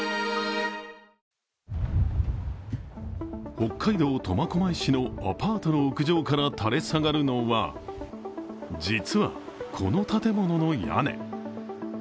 北海道苫小牧市のアパートの屋上から垂れ下がるのは、実はこの建物の屋根。